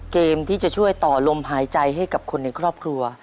เกมที่จะช่วยต่อลมหายใจให้กับคนในครอบครัว